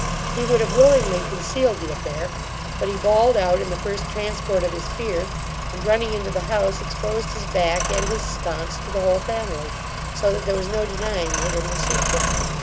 He would have willingly concealed the affair; but he bawled out in the first transport of his fear, and, running into the house, exposed his back and his sconce to the whole family; so that there was no denying it in the sequel.